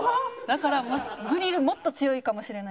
だからグリルもっと強いかもしれないです。